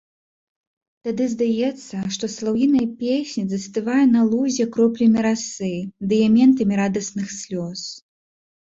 Тады здаецца, што салаўіная песня застывае на лузе кроплямі расы, дыяментамі радасных слёз.